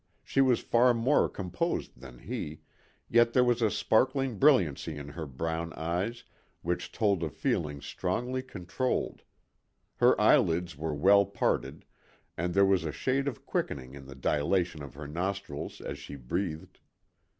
She was far more composed than he, yet there was a sparkling brilliancy in her brown eyes which told of feelings strongly controlled; her eyelids were well parted, and there was a shade of quickening in the dilation of her nostrils as she breathed.